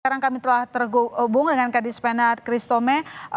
sekarang kami telah terhubung dengan kadis penat kristome